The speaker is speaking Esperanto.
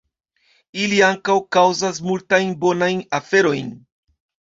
Ili ankaŭ kaŭzas multajn bonajn aferojn.